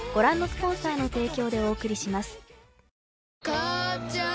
母ちゃん